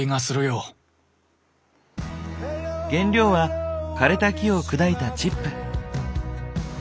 原料は枯れた木を砕いたチップ。